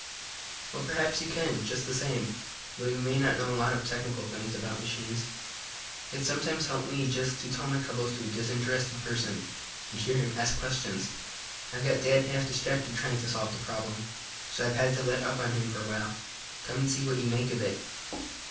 "Well, perhaps you can, just the same, though you may not know a lot of technical things about machines. It sometimes helps me just to tell my troubles to a disinterested person, and hear him ask questions. I've got dad half distracted trying to solve the problem, so I've had to let up on him for a while. Come on out and see what you make of it."